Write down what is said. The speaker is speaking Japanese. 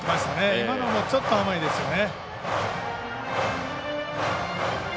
今のもちょっと甘いですね。